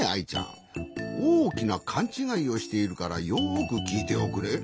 おおきなかんちがいをしているからよくきいておくれ。